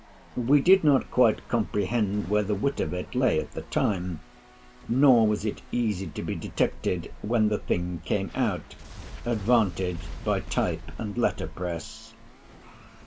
We did not quite comprehend where the wit of it lay at the time; nor was it easy to be detected, when the thing came out, advantaged by type and letter press.